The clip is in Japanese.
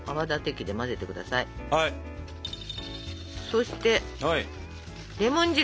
そしてレモン汁。